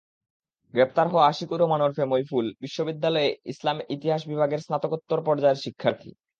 গ্রেপ্তার হওয়া আশিকুর রহমান ওরফে মইফুল বিশ্ববিদ্যালয়ের ইসলামের ইতিহাস বিভাগের স্নাতকোত্তর পর্যায়ের শিক্ষার্থী।